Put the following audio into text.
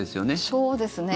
そうですね。